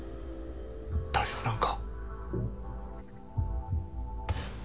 大丈夫なんか？